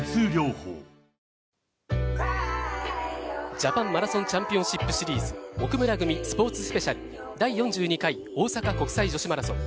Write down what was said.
ジャパンマラソンチャンピオンシップシリーズ奥村組スポーツスペシャル第４２回大阪国際女子マラソン。